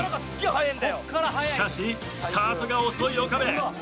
しかしスタートが遅い岡部。